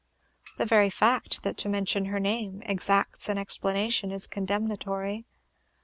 The very fact that to mention her name exacts an explanation, is condemnatory.